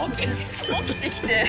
起きてきて。